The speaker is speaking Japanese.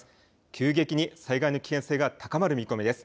急激に災害の危険性が高まる見込みです。